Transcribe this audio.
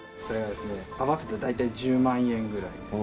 それがですね合わせて大体１０万円ぐらいで。